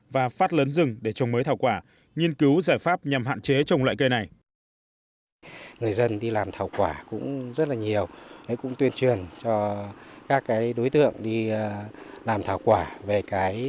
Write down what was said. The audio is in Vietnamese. và phát lớn rừng để trồng mới thảo quả nghiên cứu giải pháp nhằm hạn chế trồng loại cây này